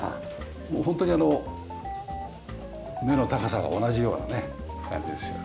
もうホントに目の高さが同じようなね感じですよね。